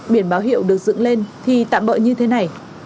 biển báo hiệu được dựng lên thì tạm bỡ như thế này